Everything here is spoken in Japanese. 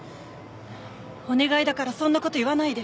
お願いだからそんな事言わないで。